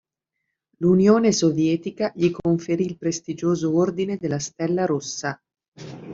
L'Unione Sovietica gli conferì il prestigioso Ordine della Stella Rossa.